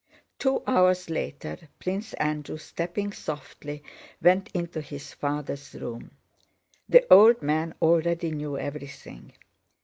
Two hours later Prince Andrew, stepping softly, went into his father's room. The old man already knew everything.